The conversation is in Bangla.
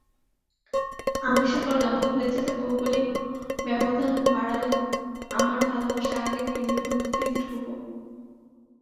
আবিষ্কার করলাম ভুলে যেতে ভৌগলিক ব্যবধান বাড়ালেও আমার ভালোবাসা আগের কেন্দ্রবিন্দুতেই ধ্রুব।